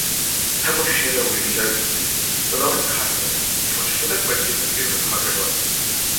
საკვებში შერეული ნიჟარის ფხვნილით კვებავენ ქათმებს ჩონჩხისა და კვერცხის ნაჭუჭის გასამაგრებლად.